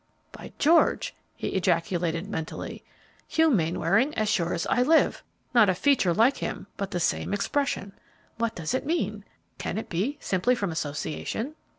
"By George!" he ejaculated, mentally, "Hugh Mainwaring, as sure as I live! Not a feature like him, but the same expression. What does it mean? Can it be simply from association?"